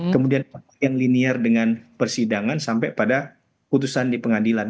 kemudian apa yang linear dengan persidangan sampai pada putusan di pengadilan